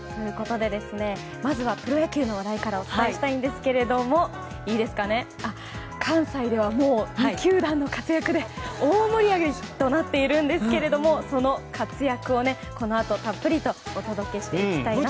まずはプロ野球の話題からお伝えしたいんですけども関西ではもう２球団の活躍で大盛り上がりとなっているんですけれどもその活躍をこのあとたっぷりとお届けしていきたいなと思います。